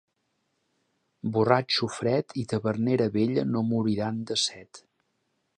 Borratxo fred i tavernera vella no moriran de set.